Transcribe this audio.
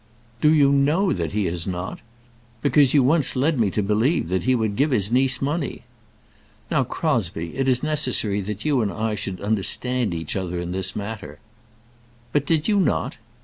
"Do you know that he has not? because you once led me to believe that he would give his niece money." "Now, Crosbie, it is necessary that you and I should understand each other in this matter " "But did you not?"